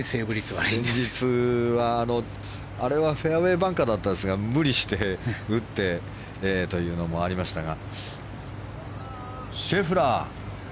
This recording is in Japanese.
前日、あれはフェアウェーバンカーだったんですが無理して打ってというのもありましたが。